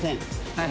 はい。